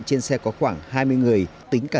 trên xe có khoảng hai mươi người tính cả